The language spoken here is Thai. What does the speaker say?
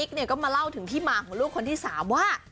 ก็มาเล่าถึงที่มาของลูกคนที่๓ว่า